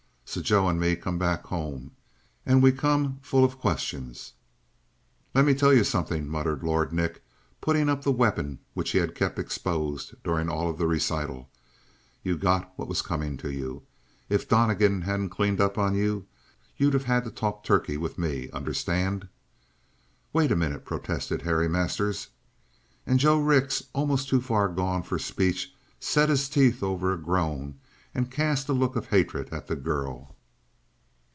"So Joe and me come back home. And we come full of questions!" "Let me tell you something," muttered Lord Nick, putting up the weapon which he had kept exposed during all of the recital. "You've got what was coming to you. If Donnegan hadn't cleaned up on you, you'd have had to talk turkey with me. Understand?" "Wait a minute," protested Harry Masters. And Joe Rix, almost too far gone for speech, set his teeth over a groan and cast a look of hatred at the girl.